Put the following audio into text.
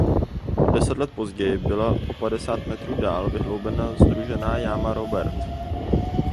O deset let později byla o padesát metrů dál vyhloubena sdružená jáma Robert.